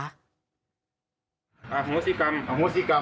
อโฮฮสิกรรม